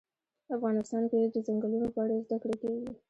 افغانستان کې د ځنګلونه په اړه زده کړه کېږي.